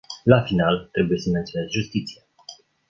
La final, trebuie să menționez justiția.